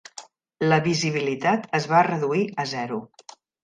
La visibilitat es va reduir a zero.